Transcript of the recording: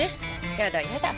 やだやだ。